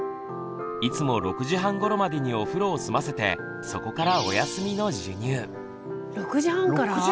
いつも６時半ごろまでにお風呂を済ませてそこから６時半から？